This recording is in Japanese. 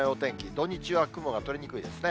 土日は雲が取れにくいですね。